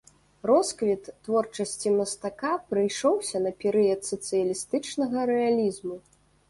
Росквіт творчасці мастака прыйшоўся на перыяд сацыялістычнага рэалізму.